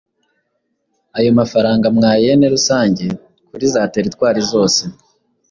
Ayo mafaranga mwayene rusange kuri za Teritwari zose.